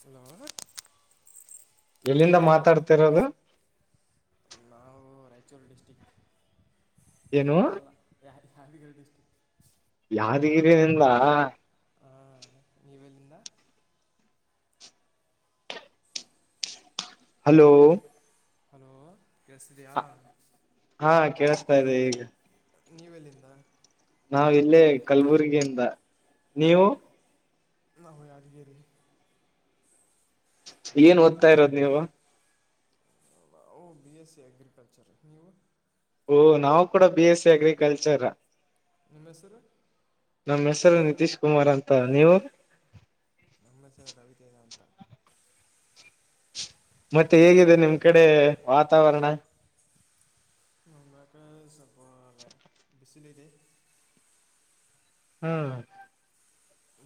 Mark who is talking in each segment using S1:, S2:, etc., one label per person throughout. S1: Hello
S2: ಎಲ್ಲಿಂದ ಮಾತಾಡ್ತಿರೋದು
S1: ಕಚೂರು ಡಿಸ್ಟ್ರಿಕ್
S2: ಏನು
S1: ಅಲ್ಲ ಯ ಯಾದಗಿರಿ ಡಿಸ್ಟ್ರಿಕ್
S2: ಯಾವ್ದಗಿರಿನಿಲ್ಲ
S1: ಹಂ ನೀವೆಲ್ಲಿಂದ
S2: ಹಲೋ
S1: ಹಲೋ ಕೆಸಿದಿಯಾ
S2: ಹಾ ಕೇಳಿಸತಾ ಇದೆ ಈಗ
S1: ನೀವೆಲ್ಲಿಂದ
S2: ನಾವ ಇಲ್ಲೇ ಕಲ್ಬುರ್ಗಿಯಿಂದ ನೀವು
S1: ನ ಹ ಅಿಯರಿ
S2: ಏನ್ ಓದ್ತಾ ಇರೋದ ನೀವು
S1: ಓ ಬಿ ಎಸ್ ಸಿ ಅಗ್ರಿಕಲ್ಚರ್ ನೀವು
S2: ಓ ನಾವು ಕೂಡ ಬಿ ಎಸ್ ಸಿ ಅಗ್ರಿಕಲ್ಚರ್
S1: ನಿಮ್ಮ ಹೆಸರು
S2: ನಮ್ಮ್ ಹೆಸರು ನಿತೀಶ್ ಕುಮಾರ್ ಅಂತ ನೀವು
S1: ನಮ್ಮ ಹೆಸ ರವಿ ತೇಜ ಅಂತ
S2: ಮತ್ತೆ ಹೇಗಿದೆ ನಿಮ್ ಕಡೆ ವಾತಾವರಣ
S1: ನಮ್ಮ ಸ ಎಷ್ಟಲ ರೇ
S2: ಹ್ಮ್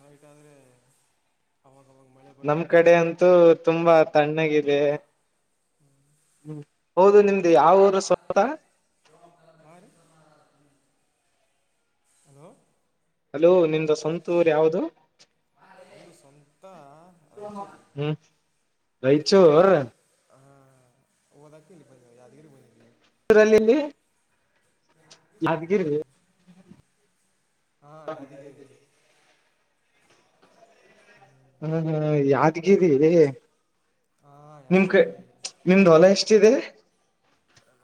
S1: ನೈಟ್ ಆದ್ರೆ ಅವ
S2: ನಮ್ ಕಡೆ ಅಂತೂ ತುಂಬಾ ತಣ್ಣಗಿದೆ ಹ್ಮ್ ಹೌದು ನಿಮ್ದು ಯಾವ ಊರು ಸ್ವತ
S1: ಹಾಂ ರೀ ಹಲೋ
S2: ಹಲೋ ನಿಮ್ದ ಸವಂತೂರ್ ಯಾವ್ದ
S1: ಇದು ಸ್ವಂತ ರಾಯಚೂರು
S2: ರೈಚೋ
S1: ಹಾಂ ಓದ ಕಲ್ಲಿ ಬ ಯಾದಗಿರಿ ಬ
S2: ಲ್ಲಿಲ್ಲಿ ಮದ್ಗಿರಿ
S1: ಹ್ಞೂ ಹಾ ಅದಕ್ಕೆ
S2: ಹ್ಮ ಹಾ ಯಾದ್ಗರಿ
S1: ಹಾ ಯಾದಗಿರಿಿ
S2: ನಿಮ್ದ್ ಹೊಲ ಎಷ್ಟಿದೆ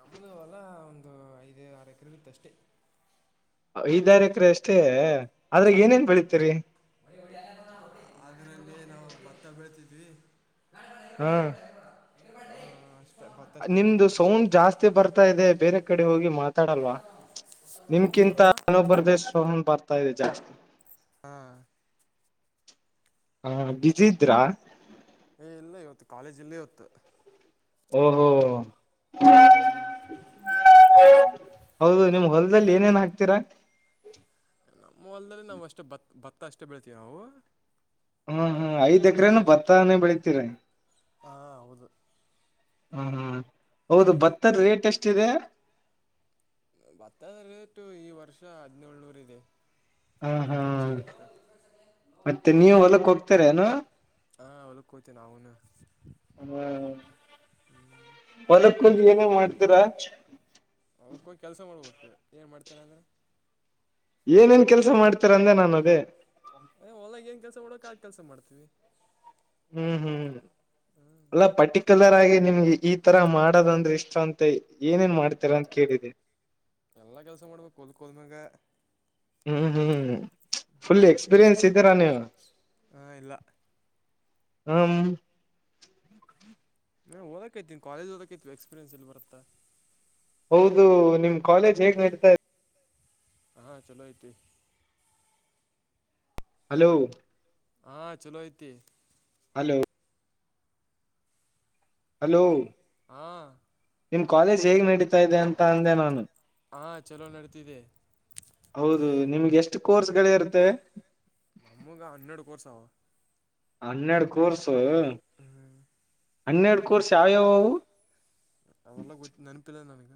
S1: ನಮ್ಮ ವಲ್ಲ ಒಂದು ಐದು ಆರು ಎಕರೆ ಬಿತ್ತುಷ್ಟೇ
S2: ಐದಾರ ಎಕರೆ ಅಷ್ಟೇ ಆದ್ರಾಗ
S1: ಅಷ್ಟೇ
S2: ಏನೇನ್ ಬೆಳತೀರಿ
S1: ಅದರಲ್ಲಿ ನಾವು ಭತ್ತ ಬೀಳ್ತಿದ್ವಿ
S2: ಹ್ಮ್
S1: ಅಷ್ಟೇ ಭತ್ತ ಅಷ್ಟೇ
S2: ನಿಮ್ದು
S1: ಬೆಳಿತೀವಿ ನಾವು
S2: ಸೌಂಡ್ ಜಾಸ್ತಿ ಬರ್ತಾ ಇದೆ ಬೇರೆ ಕಡೆ ಹೋಗಿ ಮಾತಾಡಲ್ವಾ ನಿಮ್ಕಿಂತ ಮನೋಬ್ಬ್ರದೇಶ ಬರ್ತಾ ಇದೆ ಜಾಸ್ತಿ
S1: ಹಾ
S2: ಹಾ ಬುಸಿ ಇದ್ರಾ
S1: ಏ ಇಲ್ಲೇ ಇವತ್ತು ಕಾಲೇಜ್ ಇಲ್ಲೇ ಇವತ್ತು
S2: ಓಹೋ ಹೌದು ನಿಮ್ ಹೊಲದಲ್ಲಿ ಏನೇನ್ ಹಾಕ್ತೀರಾ
S1: ನಮ್ಮ ಹೊಲ್ದದಲ್ಲಿ ನಾವವು ಅಷ್ಟೇ ಬ ಭತ್ತ ಅಷ್ಟೇ ಬೆೀಳ್ತಿೀವಿ ನಾವು
S2: ಹ್ಮ್ ಹ್ಮ್ ಐದ್ ಎಕ್ರೇನು ಭತ್ತಾನೇ ಬೆಳತಿರ
S1: ಹಾ ಹೌದು
S2: ಹ್ಮ ಹ್ಮ್ ಹೌದು ಭತ್ತರ್ ರೇಟ್ ಎಷ್ಟಿದೆ
S1: ಭತ್ತದ ರೇಟು ಈ ವರ್ಷ ಹದಿನೇಳನೂರ ಇದೆ
S2: ಹಾ ಹಾ
S1: ಒಂದು ಚೀಲಕ್ಕೆ
S2: ಮತ್ತೆ ನೀವ ಹೊಲಕ್ ಹೋಗ್ತರನು
S1: ಹಾ ಒಲ ಕತ ನ ಅವನು ಹ್ಮ
S2: ಏನ ಮಾಡ್ತೀರಾ
S1: ಅವದಕ್ಕೋಗಿ ಕೆಲಸ ಮಾಡ್ಬೇಕು ಏನು ಮಾಡ್ತಾರೆ ಅಂದ್ರೆ
S2: ಏನೇನ್ ಕೆಲ್ಸ ಮಾಡ್ತಾರ ಅಂದೆ ನಾನ ಅದೇ
S1: ಯ ಹೊಲಾಗ ಏನ್ ಕೆಲ್ಸ ಮಾಡಕ್ ಆ ಕೆಲ್ಸ ಮಾಡ್ತೀವಿ
S2: ಹ್ಮ್ ಹ್ಮ್
S1: ಹ್ಞೂ
S2: ಎಲ್ಲ ಪರ್ಟಿಕ್ಯುಲರ್ ಆಗಿ ನಿಮ್ಗೆ ಈ ತರ ಮಾಡದಂದ್ರೆ ಇಷ್ಟ ಅಂತ ಏನೇನ್
S1: ಹ
S2: ಮಾಡ್ತೀರಾ ಅಂತ
S1: ಹಾ
S2: ಕೇಳಿದೆ
S1: ಎಲ್ಲಾ ಕೆಲ್ಸ ಮಾಡ್ಬೇಕ ಕೊಲ್ಕೋಲ್್ಮ್ಯಾಗ
S2: ಹ್ಮ್ ಹ್ಮ್ ಫುಲ್ ಎಕ್ಸ್ಪೀರಿಯನ್ಸ್ ಇದ್ದೀರಾ ನೀವು.
S1: ಹಾಂ ಇಲ್ಲ
S2: ಹ್ಮ್ಹ್.
S1: ನಾ ಓದಕೈತ ಕಾಲೇಜ್ ಓದಕೈತಿವಿ ಎಕ್ಸ್ಪೀರಿಯನ್ಸ್ ಎಲ್ಲಿ ಬರುತ್ತ.
S2: ಹೌದು ನಿಮ್ ಕಾಲೇಜ್ ಹೇಗ್ ನಡಿತಾ
S1: ಹಾ ಚಲೋ ಐತಿ.
S2: ಹಲೋ.
S1: ಹಾ ಚಲೋ ಐತಿ.
S2: ಹಲೋ. ಹಲೋ.
S1: ಹಾ.
S2: ನಿಮ್ ಕಾಲೇಜ್ ಹೇಗ್ ನಡೀತಾ ಇದೆ ಅಂತ ಅಂದೆ ನಾನು.
S1: ಹಾಂ ಚಲೋ ನಡೆತಿದೆ.
S2: ಹೌದು ನಿಮ್ಗೆ ಎಷ್ಟು ಕೋರ್ಸ್ ಗಳ ಇರುತ್ತವೆ.
S1: ನಮ್ಮಗ ಹನ್ನೆಡ್ ಕೋರ್ಸ ಅವ.
S2: ಹನ್ನೆರಡ ಕೋರ್ಸ್ ಹನ್ನೆರಡ ಕೋರ್ಸ್ ಯಾವ್ಯಾವ ಅವು.
S1: ಅವಲ್ಲ ಗೊತ್ ನನಪಿಲ್ಲ ನನಗ.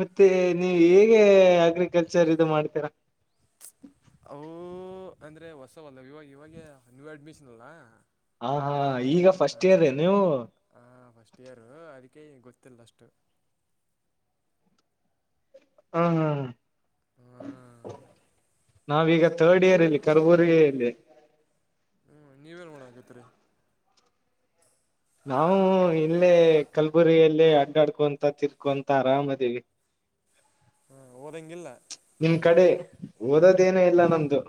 S2: ಮತ್ತೆ ನೀವ ಹೇಗೆ ಅಗ್ರಿಕಲ್ಚರ್ ಇದು ಮಾಡ್ತೀರಾ.
S1: ಅವು ಅಂದ್ರೆ ಹೊಸವಲ್ಲ ಇವಾಗ ಇವಾಗ ನ್ಯೂ ಅಡ್ಮಿಷನ್ ಅಲ್ಲ.
S2: ಹಾ ಹಾ ಈಗ ಫಸ್ಟ್ ಇಯರ್ ಏನ ನೀವು.
S1: ಅಕೆ ಗೊತ್ತಿಲ್ಲ ಅಷ್ಟು.
S2: ಹಾ ಹಾ.
S1: ಹಾಂ
S2: ನಾವೀಗ ಥರ್ಡ್ ಇಯರ್ ಇಲ್ಲಿ ಕರ್ಬುರಗಿ ಅಲಿ.
S1: ಹ್ಞೂ ನೀವೇನು ಮಾಡಾಕತ್ತೀರಿ.
S2: ನಾವು ಇಲ್ಲೇ ಕಲಬುರಗಿ ಯಲ್ಲಿ ಅಡ್ಡಾಡ್ಕೊಂತ ತಿರ್ಕೊಂತ ಆರಾಮ ಆದಿವಿ. [inaudible]
S1: ಹ್ಮ್ ಓದಂಗಿಲ್ಲ.
S2: ನಿಮ್ ಕಡೆ ಓದೋದೇನ ಇಲ್ಲ ನಮ್ದು.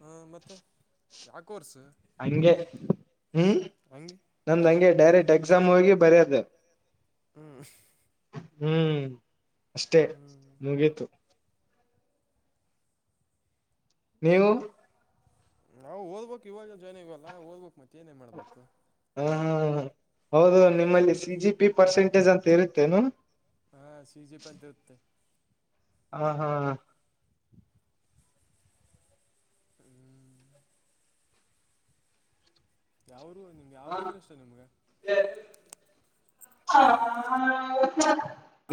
S1: ಹಾ ಮತ್ತೆ ಯಾವ ಕೋರ್ಸು.
S2: ಹಂಗೆ ಹ್ಮ್ ನಮ್ದ
S1: ಹಾಂ
S2: ಹಂಗೆ ಡೈರೆಕ್ಟ್ ಎಕ್ಸಾಮ್ ಹೋಗಿ ಬರೆದ.
S1: ಹ್ಮ್.
S2: ಹ್ಮ್ ಅಷ್ಟೇ ಮುಗೀತು. ನೀವು.
S1: ನಾವ್ ಓದಬೇಕು ಇವಾಗ ಜಾಯಿನ್ ಅಗೆವ ಅಲ್ಲ ಓದಬೇಕಕ್ ಮತ್ತೆ ಏನೇ ಮಾಡ್ಬೇಕು.
S2: ಹ ಹಾ. ಹೌದು ನಿಮ್ಮಲ್ಲಿ ಸಿಜಿ ಪಿ ಪರ್ಸೆಂಟೇಜ್ ಅಂತ ಇರುತ್ತೇನು.
S1: ಹಾಂ ಸಿ ಜಿ ಪಿ ಅಂತ ಇರುತ್ತೆ
S2: ಹಾ ಹಾ.
S1: ಹ್ಮ್. ಯಾವರು ನಿಮ್ಗೆ ಯಾವರು
S2: ಹಾ
S1: ಅಂದ್ರೆ ಇಷ್ಟ ನಿಮ್ಗ.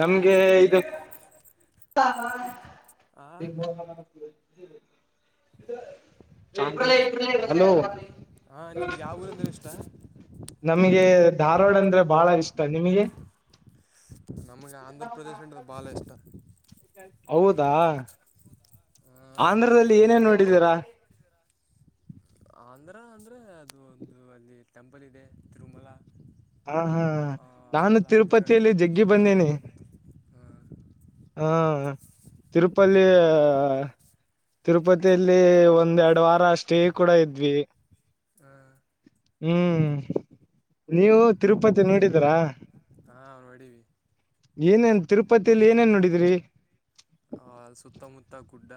S2: ನಮ್ಗೆ ಇದು. [unintelligible]
S1: ಆ
S2: ಇದ. [unintelligible] ಹಲೋ.
S1: ಹಾಂ ನಿಮ್ಗೆ ಯಾವ ಊರಂದ್ರೆ ಇಷ್ಟ
S2: ನಮಗೆ ಧಾರವಾಡ ಅಂದ್ರೆ ಬಹಳ ಇ.
S1: ನಮ್ಗೆ ಆಂಧ್ರ ಪ್ರ್ರದೇಶ ಅಂತದು ಬಾಳ ಇಷ್ಟ.
S2: ಹೌದಾ. ಆಂಧ್ರದಲ್ಲಿ ಏನೇನ್ ನೋಡಿದೀರಾ.
S1: ಆಂಧ್ರ ಅಂದ್ರೆ ಅದು ಒಂದು ಅಲ್ಲಿ ಟೆಂಪಲ್ ಇದೆ ತಿರುಮಲ.
S2: ಹಾ ಹಾ
S1: ಆ,
S2: ನಾನು
S1: ಅಲ್ಲ ತಿರುಗಾಡು
S2: ತಿರುಪತಿಯಲ್ಲಿ ಜಗ್ಗಿ ಬಂದೇನಿ.
S1: ಹಾಂ
S2: ಹಾ ತಿರುಪಲ್ಲಿ. ತಿರುಪತಿಯಲ್ಲಿ ಒಂದ್ ಎರಡು ವಾರ ಸ್ಟೇ ಕೂಡ ಇದ್ವಿ.
S1: ಹ್ಮ್.
S2: ಹ್ಮ್ ನೀವು ತಿರುಪತಿ ನೋಡಿದೀರಾ.
S1: ಹಾ ನೋಡೀವಿ.
S2: ಏನೇನ್ ತಿರುಪತಿಯಲ್ಲಿ ಏನೇನ್ ನೋಡಿದಿರಿ.
S1: ಆ ಸುತ್ತಮುತ್ತ ಗುಡ್ಡ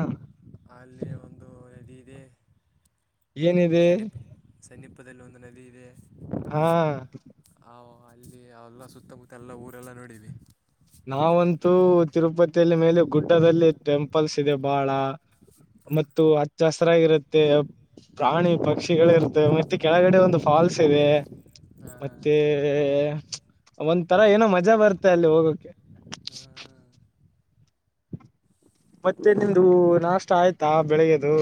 S2: ಹ
S1: ಅಲ್ಲಿ ಒಂದು ಹೆಡಿ. ಇದೆ
S2: ಏನಿದೆ
S1: ಸನ್ನೀಪ ಸನ್ನೀಪದಲ್ಲಿ ಒಂದು ನದಿ ಇದೆ.
S2: ಹಾ.
S1: ಆ ಅಲ್ಲಿ ಅವಲ್ಲ ಸುತ್ತಮುತ್ತ ಎಲ್ಲ ಊರೆಲ್ಲ ನೋಡಿವಿ.
S2: ನಾವಂತೂ ತಿರುಪತಿಯಲ್ಲಿ ಮೇಲೆ ಗುಡ್ಡದಲ್ಲಿ ಟೆಂಪಲ್ಸ್ ಇದೆ ಬಾಳ.
S1: ಹಾ
S2: ಮತ್ತು ಹಚ್ಚ ಹಸರಾಗಿರುತ್ತೆ ಪ್ರಾಣಿ ಪಕ್ಷಿ. ಗಳಿರ್ತವೆ ಮತ್ತೆ ಕೆಳಗಡೆ ಒಂದು ಫಾಲ್ಸ್ ಇದೆ
S1: ಹಾ ಹಾ
S2: ಮತ್ತೆ. ಒಂತರ ಏನೋ ಮಜಾ ಬರತ್ತೆ ಅಲ್ಲಿ ಹೋಗೋಕ್ಕೆ. ಮತ್ತೆ ನಿಂದು ನಾಷ್ಟ ಆಯ್ತಾ ಬೆಳಿಗೆದು.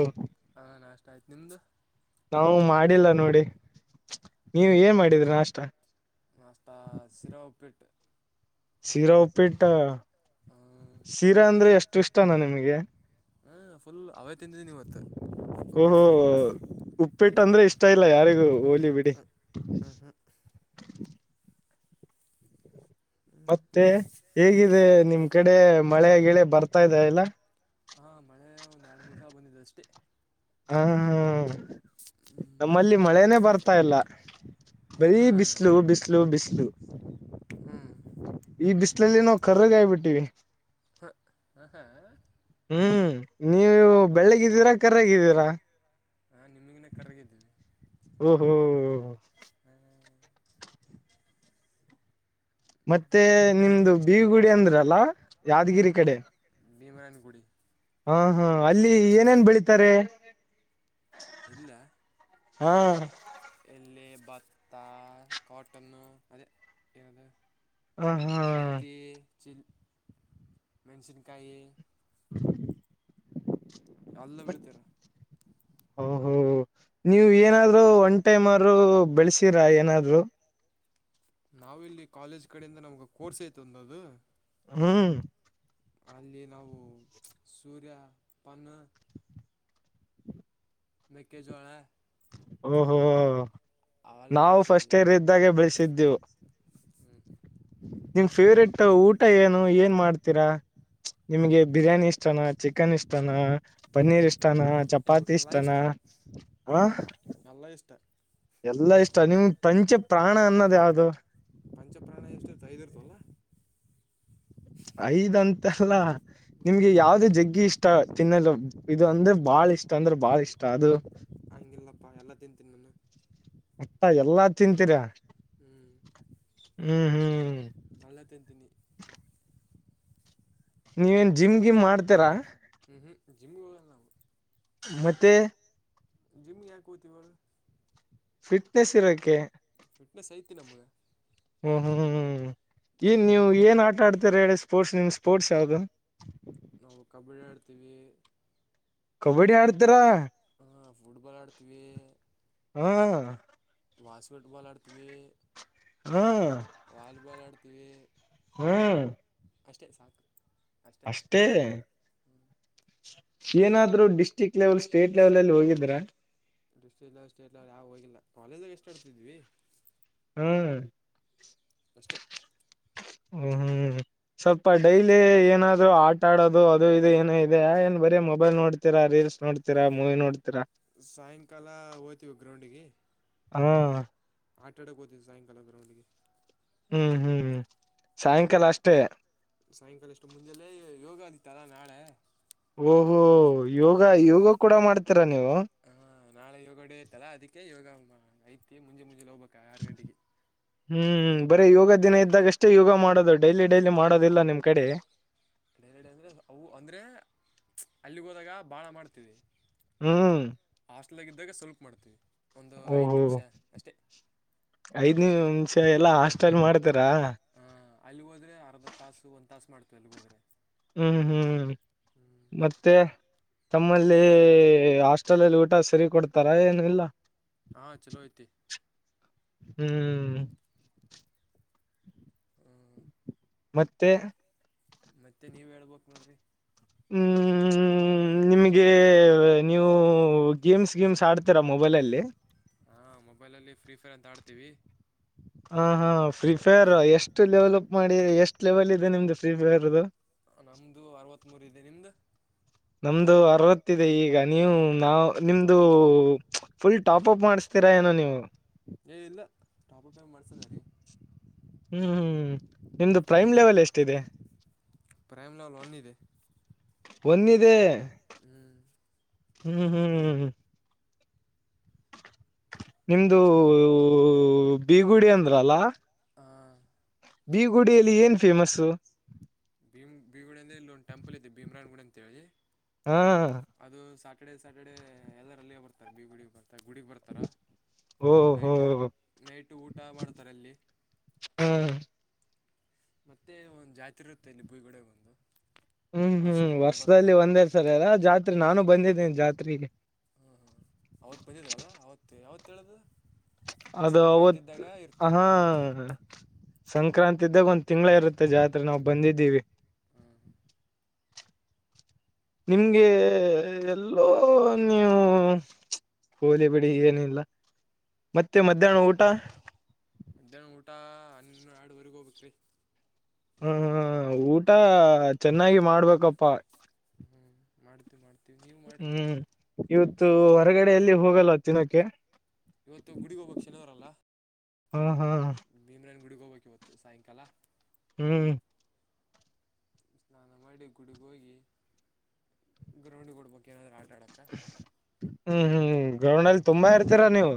S1: ಹಾ ನಾಷ್ಟ ಆಯ್ತು ನಿಮ್ದು.
S2: ನಾವು ಮಾಡಿಲ್ಲ ನೋಡಿ ನೀವ ಏನ್ ಮಾಡಿದ್ರಿ ನಾಷ್ಟ.
S1: ನಾಷ್ಟ ಸಿರಾ ಉಪ್ಪಿಟ್ಟು.
S2: ಸೀರಾ ಉಪ್ಪಿಟ್ಟ.
S1: ಹಾಂ
S2: ಸೀರಾ ಅಂದ್ರೆ ಅಷ್ಟು ಇಷ್ಟಾನ ನಿಮ್ಗೆ.
S1: ತಿಂದೇನಿವತ್ತು.
S2: ಓಹೋ ಹೋ ಹೋ. ಉಪ್ಪಿಟ್ಟಂದ್ರೆ ಇಷ್ಟ ಇಲ್ಲ ಯಾರಿಗೂ ಹೋಲಿ ಬಿಡಿ. ಮತ್ತೆ ಹೇಗಿದೆ ನಿಮ್ ಕಡೆ ಮಳೆ ಗಿಳೆ ಬರ್ತಾ ಇದೆ ಇಲ್ಲ.
S1: ಹಾ ಮಳೆ ಒಂದ್ ಎರಡ್ ಮೂರ್ ಸಲ ಬಂದಿದೆ ಅಷ್ಟೇ.
S2: ಹಾ ಹಾ ಹಾ
S1: ಹ್ಮ್
S2: ನಮ್ಮಲ್ಲಿ ಮಳೆನೇ ಬರ್ತಾ ಇಲ್ಲ. ಬರೀ ಬಿಸ್ಲು
S1: ಹ್ಮ್
S2: ಬಿಸ್ಲು ಬಿಸ್ಲು.
S1: ಹ್ಮ್
S2: ಈ ಬಿಸ್ಲಲ್ಲಿ ನಾವು ಕರ್ರಗಾಯಿಬಿಟ್ಟೀವಿ.
S1: ಹಾಂ ಹಾಂ
S2: ಹ್ಮ್ ನೀವು ಬೆಳ್ಳಿಗಿದ್ದೀರಾ ಕರ್ರಗಿದ್ದೀರಾ.
S1: ನಾನ್ ನಿಮಗಿನ್ನ ಕರ್ರಗಿದ್ದೀವಿ.
S2: ಓಹೋ ಮತ್ತೆ ನಿಮ್ದು ಬಿ ಗುಡಿ ಅಂದ್ರಲ್ಲ ಯಾದಗಿರಿ ಕಡೆ.
S1: ಭೀಮರಾಯನ್ಗುಡಿ.
S2: ಹಾ ಹಾ ಅಲ್ಲಿ ಏನೇನ್ ಬೆಳಿತಾರೆ.
S1: ಇಲ್ಲ
S2: ಹಾ.
S1: ಎಲ್ಲಿ ಭತ್ತ ಕಾಟನ್ನು ಅದೇ ಇರದು.
S2: ಹ ಹಾ.
S1: ಚಿಲ್ ಮೆಣಸಿನ್ಕಾಯಿ. ಎಲ್ಲ ಬೆಳಿತಾರ.
S2: ಓಹೋ ಹೋ. ನೀವು ಏನಾದ್ರು ಒನ್ ಟೈಮ್ ಆದ್ರೂ ಬೆಳ್ಸಿರ ಏನಾದ್ರು.
S1: ನಾವಿಲ್ಲಿ ಕಾಲೇಜ್ ಕಡೆಯಿಂದ ನಮ್ಗ ಕೋರ್ಸ್ ಐತ್ ಒಂದದು.
S2: ಹ್ಮ್.
S1: ಅಲ್ಲಿ ನಾವು ಸೂರ್ಯ ಪನ್ನ ಮೆಕ್ಕೆಜೋಳ.
S2: ಓಹೋ ಹೋ
S1: ಅವೆಲ್ಲ
S2: ನಾವು
S1: ಬೆಳೆಸಿದ್ವಿ
S2: ಫಸ್ಟ್ ಇಯರ್ ಇದ್ದಾಗೆ ಬೆಳಸಿದ್ದೆವು.
S1: ಹ್ಮ್
S2: ನಿಮ್ ಫೇವ್ರೇಟ್ ಊಟ ಏನು ಏನ್ ಮಾಡ್ತೀರಾ. ನಿಮ್ಗೆ ಬಿರಿಯಾನಿ ಇಷ್ಟನ ಚಿಕನ್ ಇಷ್ಟಾನ ಪನ್ನೀರ್ ಇಷ್ಟ್ ಷ್ಟಾನ
S1: ಎಲ್
S2: ಚಪಾತಿ
S1: ಎಲ್ಲ
S2: ಇಷ್ಟನಾ
S1: ಇಷ್ಟ
S2: ಹಾ.
S1: ಎಲ್ಲ ಇಷ್ಟ
S2: ಎಲ್ಲಾ ಇಷ್ಟ ನಿಮ್ಗ್ ಪ್ರಂಚ ಪ್ರಾಣ ಅನ್ನೋದ್ ಯಾವ್ದು.
S1: [unintelligible]
S2: ಐದಂತಲ್ಲ
S1: ಹ್ಮ್
S2: ನಿಮ್ಗೆ ಯಾವ್ದೇ ಜಗ್ಗಿ ಇಷ್ಟ ತಿನ್ನದು ಇದು ಅಂದ್ರೆ ಬಾಳ್ ಬಾಳ ಇಷ್ಟ ಅಂದ್ರೆ ಬಾಳ ಇಷ್ಟ ಅದು
S1: ಹಂಗಿಲ್ಲಪ್ಪಾ ಎಲ್ಲ ತಿಂತೀನಿ ನಾನು
S2: ಮತ್ತ ಎಲ್ಲಾ ತಿಂತೀರಾ [inaudible] ಹ್ಮ್ ಹ್ಮ್
S1: ಎಲ್ಲಾ ತಿಂತೀನಿ
S2: ನೀವೇನ್ ಜಿಮ್ ಗಿಮ್ ಮಾಡ್ತೀರಾ
S1: ಹ್ಮ್ ಹ್ಮ್ ಜಿಮ್ ಹೋಗಲ್ಲ
S2: ಮತ್ತೆ
S1: ಜಿಮ್ ಗೇ ಯಾಕ್ ಹೋಗ್ತಿವಿ ಹೇಳು
S2: ಫಿಟ್ನೆಸ್ ಇರೋಕೆ
S1: ಫಿಟ್ನೆಸ್ ಐತಿ ನಮ್ಗೆ
S2: ಹ್ಮ್ ಹ್ಮ್ ಹ್ಮ್ ಏನ್ ನೀವ್ ಏನ್ ಆಟ ಆಡ್ತರ ಹೇಳಿ ಸ್ಪೋರ್ಟ್ಸ್ ನಿಮ್ ಸ್ಪೋರ್ಟ್ಸ್ ಯಾವ್ದು
S1: ನಾವು [unintelligible]
S2: ಕಬಡ್ಡಿ ಆಡ್ತೀರಾ
S1: ಹಾ ಫುಟ್ಬಾಲ್ ಆಡ್ತೀವಿ
S2: ಹಾ
S1: ಬಾಸ್ಕೆಟ್ಬಾಲ್ ಆಡ್ತೀವಿ
S2: ಹಾ
S1: [unintelligible]
S2: ಹ್ಮ್
S1: ಅಷ್ಟೇ ಸಾಕು
S2: ಅಷ್ಟೇ ಏನಾದ್ರು ಡಿಸ್ಟ್ರಿಕ್ ಲೆವೆಲ್ ಸ್ಟೇಟ್ ಲೆವೆಲ್ ಅಲ್ಲಿ ಹೋಗಿದ್ರಾ
S1: ಡಿಸ್ಟ್ರಿಕ್ ಲೆವಲ್ ಸ್ಟೇಟ್ ಲೆವಲ್ ಯಾವ ಹೋಗಿಲ್ಲ ಕಾಲೇಜಾಗ ಎಷ್ಟ ಆಡ್ತಿದ್ವಿ
S2: [inaudible]
S1: ಅಷ್ಟೇ
S2: ಹ್ಮ್ ಸ್ವಲ್ಪ ಡೈಲಿ ಏನಾದ್ರು ಆಟ ಆಡೋದು ಅದು ಇದು ಏನೋ ಇದೆ ಏನ್ ಬರೀ ಮೊಬೈಲ್ ನೋಡ್ತೀರಾ ರೀಲ್ ನೋಡ್ತೀರಾ ಮೂವಿ ನೋಡ್ತೀರಾ
S1: ಸಾಯಂಕಾಲ ಹೋಯ್ತವಿ ಗ್ರೌಂಡಿಗೆ
S2: ಹಾ
S1: ಆಟ ಆಡೋಕ್ಕೆ ಹೋಗ್ತಿವಿ ಸಾಯಂಕಾಲ ಗ್ರೌಂಡ್ಗೆ
S2: ಹ್ಮ್ ಹ್ಮ್ ಸಾಯಂಕಾಲ ಅಷ್ಟೇ
S1: ಸಾಯಂಕಾಲ ಅಷ್ಟು ಮುಂಜಲ್ಲೆ ಯೋಗ ಅಂತಲ್ಲ ನಾಳೆ
S2: ಓಹೋ ಯೋಗ
S1: ಹಾಂ
S2: ಯೋಗ ಕೂಡ ಮಾಡ್ತೀರಾ ನೀವು
S1: ಹಾಂ ನಾಳೆ ಯೋಗ ಡೇ ಇರ್ತಲ್ಲ ಅದಕ್ಕೆ ಯೋಗ ಐತಿ ಮುಂಜೆಲೆ ಮುಂಜಾಲೆ ಹೋಗ
S2: ಹ್ಮ್ ಬರಿ ಯೋಗ ದಿನ ಇದ್ದಾಗಷ್ಟೇ ಯೋಗ ಮಾಡೋದು ಡೈಲಿ ಡೈಲಿ ಮಾಡೋದಿಲ್ಲ ನಿಮ್ ಕಡೆ
S1: [unintelligible] ಅಂದ್ರೆ ಅವು ಅಂದ್ರೆ ಅಲ್ಲಿಗೆ ಹೋದಾಗ ಬಾಳ ಮಾಡ್ತೀವಿ
S2: ಹ್ಮ್
S1: ಹಾಸ್ಟೆಲ್ಗಿದ್ದಾಗ ಸ್ವಲ್ಪ್ ಮಾಡ್ತೀವಿ ಒಂದು ಐದು
S2: ಓಹೋ
S1: ನಿಮಿಷ ಅಷ್ಟೇ
S2: [inaudible] ಐದ್ನ ನಿಮಷ ಎಲ್ಲಾ ಹಾಸ್ಟೆಲ್ ಮಾಡ
S1: ಹಾ ಅಲ್ಲಿಗೇ ಹೋದ್ರೆ ಅರ್ಧ ತಾಸು ಒಂದ್ ತಾಸು ಮಾಡ್ತವೆ ಅಲ್ಲಿಗೇ ಹೋದ್ರೆ
S2: ಹ್ಮ್ ಹ್ಮ್ [inaudible] ಮತ್ತೆ ತಮ್ಮಲ್ಲಿ ಹಾಸ್ಟೇಲ್ ಅಲ್ಲಿ ಊಟ ಸರಿ ಕೊಡ್ತಾರ ಏನು ಇಲ್ಲ
S1: ಹಾ ಚಲೋ ಐತಿ
S2: ಹ್ಮ್ ಮತ್ತೆ
S1: ಮತ್ತೆ ನೀವ್ ಹೇಳ್ಬಕ್ ನೋಡ್ರಿ
S2: ಹ್ಮ್ ನಿಮ್ಗೆ ನೀವು ಗೇಮ್ಸ್ ಗೇಮ್ಸ್ ಆಡ್ತಾರ ಮೊಬೈಲಲ್ಲಿ
S1: ಇವತ್ತು ನೋಡ್ತೀವಿ
S2: ಹಾ ಹಾ ಫ್ರೀ ಫೈರ್ ಎಷ್ಟು ಲೆವಲ್ಪ್ ಮಾಡಿ ಎಷ್ಟ್ ಲೆವೆಲ್ ಇದೆ ನಿಮ್ದು ಫ್ರೀ ಫೈರ್ದು
S1: ನಮ್ದು ಅರವತ್ ಮೂರ ಇದೆ ನಿಮ್ದ
S2: ನಮ್ದು ಅರವತ್ತ ಇದೆ ಈಗ ನೀವು ನಾವ ನಿಮ್ದು ಫುಲ್ ಟಾಪಪ್ ಮಾಡಸ್ತೀರಾ ಏನು ನೀವು
S1: ಏ ಇಲ್ಲ ಟಾಪಪ್ ಏನು ಮಾಡಿಸಿಲ್ಲ ರೀ
S2: ಹ್ಮ್ ಹ್ಮ್ ನಿಮ್ದು ಪ್ರೈಮ್ ಲೆವೆಲ್ ಎಷ್ಟಿದೆ
S1: ಪ್ರೈಮ ಲವೆಲ್ ಒನ್ ಇದೆ
S2: ಒನ್ ಇದೆ
S1: ಹ್ಞೂ
S2: ಹ್ಮ್ ಹ್ಮ್ ಹ್ಮ್ ನಿಮ್ದು ಬೀಗುಡಿ ಅಂದ್ರ ಅಲ್ಲ
S1: ಹ
S2: ಬೀಗುಡಿಯಲ್ಲಿ ಏನ್ ಫೇಮಸ್ಸು
S1: ಭೀಮ್ ತಿ
S2: ಹ
S1: ಸಟಡೆ ಸ ಸಾಟಡೆ ಎಲ್ಲರಲ್ಲಿ ಬರ್ತಾರೆ ಬಿಡಿ ಬ ಮತ್ತು ಗುಡಿಗೆ ಬರ್ತಾರ
S2: ಓಹೋ
S1: ನೈಟ್ ನೈಟು ಊಟ ಮಾಡ್ತಾರೆ ಅಲ್ಲಿ
S2: ಹ್ಮ್
S1: ಮತ್ತೆ ಒಂದು ಜಾತಿ ಇರುತ್ತೆ ಇಲ್ಲಿ ಭೂಯಿಗೂಡ ಒಂದು
S2: ಹ್ಮ್ ಹ್ಮ್
S1: ವರ್ಷಕ್ಕೊಮ್ಮೆ ಬರ್ತಾ
S2: ವರ್ಷದಲ್ಲಿ ಒಂದೇರ್ ಸರಿ ಅದ ಜಾತ್ರೆ ನಾನು ಬಂದಿದ್ದೇನೆ ಜಾತ್ರೆಗೆ
S1: ಹ್ಮ್ ಹ್ಮ್ ಅವತ್ ಬದಿದ್ರಲ್ಲ ಅವತ್ ಯಾವತ್ ಹೇಳದು
S2: ಅದು ಅವತ್ ಆಹ
S1: ಜಾತ್ರೆ
S2: ಸಂಕ್ರಾಂತಿ ಇದ್ದಾಗ ಒಂದ್ ತಿಂಗಗಳ ಇರುತ್ತೆ ಜಾತ್ರೆ ನಾವವು ಬಂದಿದ್ದೀವಿ
S1: ಹಾಂ
S2: ನಿಮ್ಗೆ ಎಲ್ಲೋ ನೀವು ಹೋಲಿ ಬಿಡಿ ಏನಿಲ್ಲ ಮತ್ತೆ ಮಧ್ಯಾಹ್ನ ಊಟ
S1: ಮಧ್ಯಾಹ್ನ ಊಟಾ ಹನ್ನ ಎರಡವರೆಗ
S2: ಹ್ಮ್ ಹ್ಮ್ ಊಟ ಚೆನ್ನಾಗಿ ಮಾಡ್ಬೇಕಪ್ಪಾ
S1: ಹ್ಮ್ ಮಾಡ್ತು ಮಾಡ್ತ
S2: ಹ್ಮ್ ಇವತ್ತು ಹೊರಗಡೆಯಲ್ಲಿ ಹೋಗಲ್ಲ ತಿನೋಕ್ಕೆೆ
S1: ಇವತ್ತು ಗುಡಿಗೋಬಕ್ಷಣವರಲ್ಲ
S2: ಹಾ ಹಾ
S1: ಭೀಮ್ರನ್ ಗುಡಿಗ್ ಹೋಗ್ಬೇಕು ಇವತ್ತು ಸಾಯಂಕಾಲ
S2: ಹ್ಮ್
S1: ಸ್ನಾನ ಮಾಡಿ ಗುಡಿಗ ಹೋಗಿ ಗ್ರೌಂಡ್ ಕೊಡ್ಬೇಕು ಏನಾದ್ರೂ ಆರ್ಡ್ರ ಆಡಕ್ಕ
S2: ಹ್ಮ್ ಹ್ಮ್ ಗ್ರೌಂಡ್ ಅಲ್ಲಿ ತುಂಬಾ ಇರ್ತೀರಾ ನೀವು